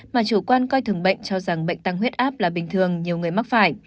mà chủ quan coi thường bệnh cho rằng bệnh tăng huyết áp là bình thường nhiều người mắc phải